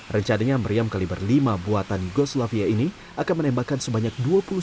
rencananya meriam kaliber lima buatan goslavia ini akan menembakkan sebanyak dua puluh satu